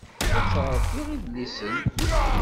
La d-ttɛebbiɣ idlisen.